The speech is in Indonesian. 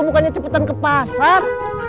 bukannya cepetan ke pasar